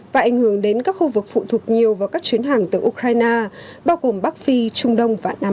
và ảnh hưởng đến các khu vực phụ thuộc nhiều vào các chuyến hàng từ ukraine bao gồm bắc phi trung đông và nam á